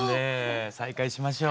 再会しましょう。